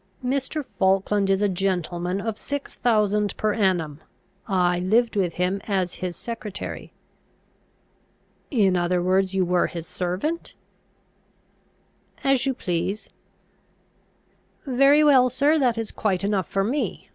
"Mr. Falkland is a gentleman of six thousand per annum. I lived with him as his secretary." "In other words, you were his servant?" "As you please." "Very well, sir; that is quite enough for me.